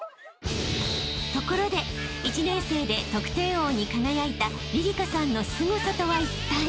［ところで１年生で得点王に輝いたりりかさんのすごさとはいったい？］